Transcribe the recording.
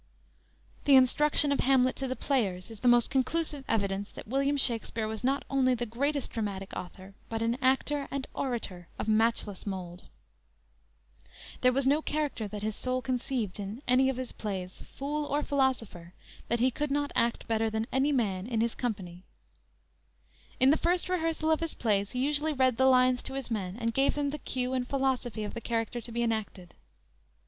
"_ The instruction of Hamlet to the players is the most conclusive evidence that William Shakspere was not only the greatest dramatic author, but an actor and orator of matchless mould. There was no character that his soul conceived in any of his plays, fool or philosopher, that he could not act better than any man in his company. In the first rehearsal of his plays he usually read the lines to his men and gave them the cue and philosophy of the character to be enacted.